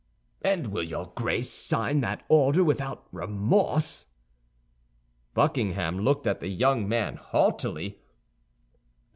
"And will your Grace sign that order without remorse?" Buckingham looked at the young man haughtily.